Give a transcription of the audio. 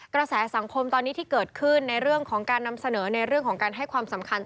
กระแสสังคมตอนนี้ที่เกิดขึ้นในเรื่องของการนำเสนอในเรื่องของการให้ความสำคัญ